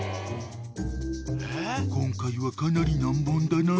［今回はかなり難問だな］